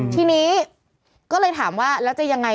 ทีนี้ก็เลยถามว่าแล้วจะยังไง